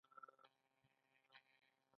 برمکیان د نوبهار ساتونکي وو